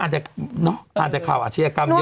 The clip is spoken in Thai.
อาจจะข่าวอาชีพกรรมเยอะนะ